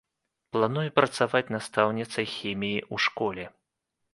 Планую працаваць настаўніцай хіміі ў школе.